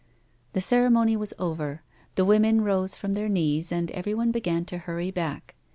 The ceremony was over; the women rose from their knees, and everyone began to hurry back.